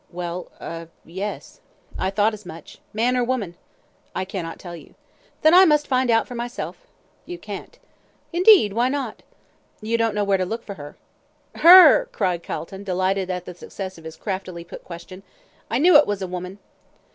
"Well er yes." "I thought as much. Man or woman?" "I cannot tell you." "Then I must find out for myself." "You can't." "Indeed! Why not?" "You don't know where to look for her." "Her," cried Calton, delighted at the success of his craftily put question. "I knew it was a woman."